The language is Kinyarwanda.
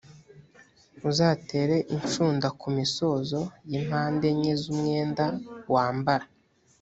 uzatere inshunda ku misozo y’impande enye z’umwenda wambara.